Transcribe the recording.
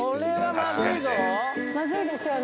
まずいですよね。